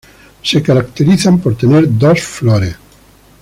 Se caracterizan por tener dos flores.